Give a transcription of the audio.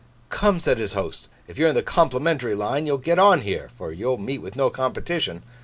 'Come!' said his host. 'If you're in the complimentary line, you'll get on here, for you'll meet with no competition.